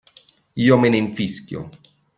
Io me ne infischio.